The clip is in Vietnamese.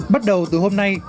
bắt đầu từ hôm nay